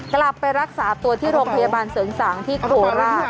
กลับไปรักษาตัวที่โรงพยาบาลเสริงสางที่โคราช